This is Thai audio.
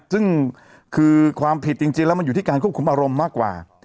ซึ่งคือความผิดจริงแล้วมันอยู่ที่การควบคุมอารมณ์มากกว่า